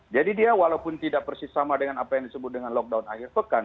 jadi dia walaupun tidak persis sama dengan apa yang disebut dengan lockdown akhir pekan